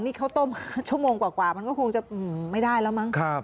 นี่เขาต้มชั่วโมงกว่ามันก็คงจะไม่ได้แล้วมั้ง